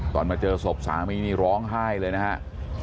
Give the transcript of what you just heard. มาเจอศพสามีนี่ร้องไห้เลยนะครับ